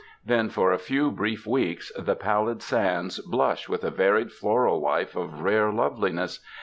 Then for a few brief weeks, the pallid sands blush with a varied floral life of rare loveliness.